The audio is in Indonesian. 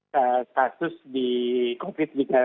kasus di covid sembilan belas